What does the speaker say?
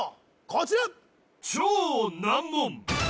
こちら